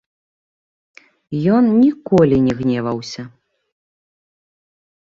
Ён ніколі не гневаўся.